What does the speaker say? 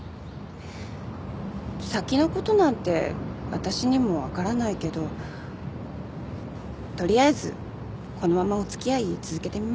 先のことなんて私にも分からないけど取りあえずこのままお付き合い続けてみましょっか。